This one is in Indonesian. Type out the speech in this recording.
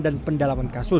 dan pendalaman kasus